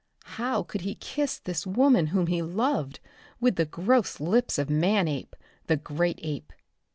How could he kiss this woman whom he loved with the gross lips of Manape, the great ape?